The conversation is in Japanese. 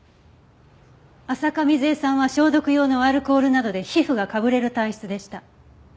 浅香水絵さんは消毒用のアルコールなどで皮膚がかぶれる体質でした。